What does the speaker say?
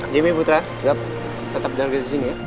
jimmy putra tetap jalan ke sini ya